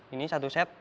ini satu set